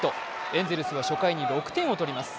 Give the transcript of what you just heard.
エンゼルスは初回に６点を取ります